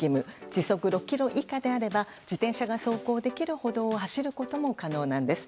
時速６キロ以下であれば自転車が走る歩道を走ることも可能なんです。